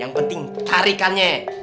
yang penting tarikannya